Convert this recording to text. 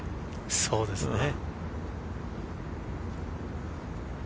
そうですね。